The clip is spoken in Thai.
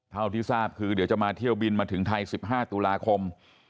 เท่าที่ทราบคือเดี๋ยวจะมาเที่ยวบินมาถึงไทย๑๕ตุลาคม